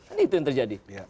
kan itu yang terjadi